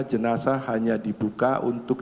jenazah hanya dibuka untuk